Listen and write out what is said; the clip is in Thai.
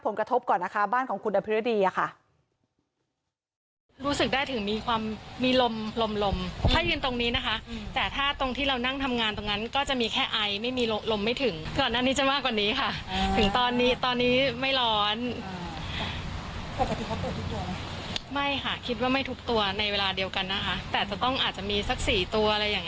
ก่อนนะคะบ้านของคุณอภิรดีอะค่ะ